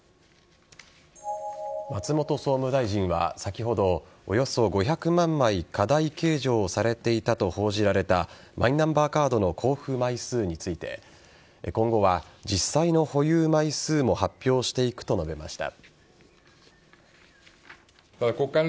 松本総務大臣は、先ほどおよそ５００万枚過大計上されていたと報じられたマイナンバーカードの交付枚数について今後は、実際の保有枚数も発表していくと述べました。